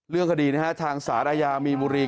เรื่องคดีทางสระยามีบุรี